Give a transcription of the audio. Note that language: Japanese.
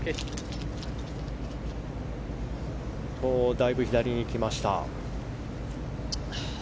だいぶ左にいきました。